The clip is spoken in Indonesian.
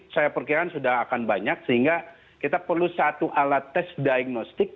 saya perkirakan sudah akan banyak sehingga kita perlu satu alat tes diagnostik